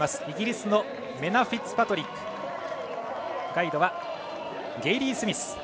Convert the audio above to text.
イギリスのメナ・フィッツパトリックガイドはゲイリー・スミス。